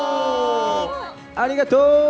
ありがとう！